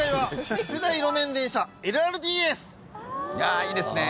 いやいいですね。